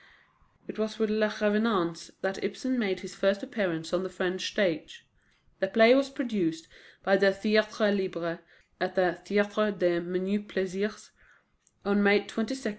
It was with Les Revenants that Ibsen made his first appearance on the French stage. The play was produced by the Théâtre Libre (at the Théâtre des Menus Plaisirs) on May 29, 1890.